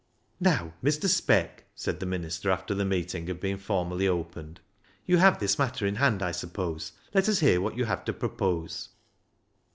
" Now, Mr. Speck," said the minister, after the meeting had been formally opened, " you have 352 BECKSIDE LIGHTS this matter in hand, I suppose ; let us hear what you have to propose."